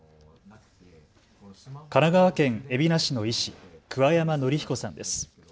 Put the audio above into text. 神奈川県海老名市の医師、桑山紀彦さんです。